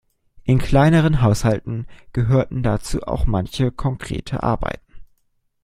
In kleineren Haushalten gehörten dazu auch manche konkrete Arbeiten.